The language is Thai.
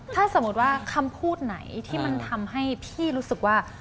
ถ้าสมมุติว่าคำพูดไหนที่มันทำให้พี่รู้สึกว่า